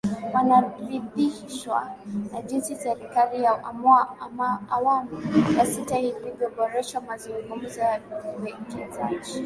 Wanaridhishwa na jinsi Serikali ya Awamu ya Sita ilivyoboresha mazungumzo ya uwekezaji